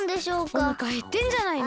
おなかへってんじゃないの？